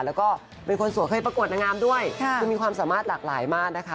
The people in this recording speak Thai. แล้วก็เป็นคนสวยเคยประกวดนางงามด้วยคือมีความสามารถหลากหลายมากนะคะ